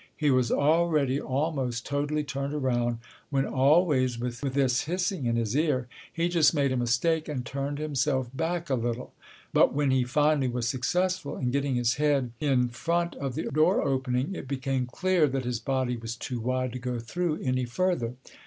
He was already almost totally turned around, when, always with this hissing in his ear, he just made a mistake and turned himself back a little. But when he finally was successful in getting his head in front of the door opening, it became clear that his body was too wide to go through any further.